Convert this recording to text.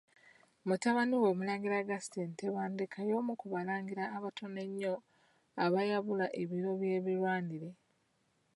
Mutabani we Omulangira Augustine Tebandeke y'omu ku Balangira abatono ennyo abaayabula ebiro by'ebirwanire.